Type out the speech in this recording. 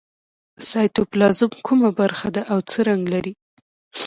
سایتوپلازم کومه برخه ده او څه رنګ لري